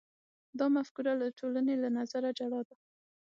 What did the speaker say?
دا مفکوره د ټولنې له نظره جلا ده.